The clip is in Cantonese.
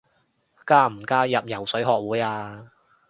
加唔加入游水學會啊？